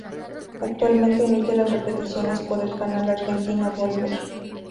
Actualmente emite las repeticiones por el canal argentino Volver.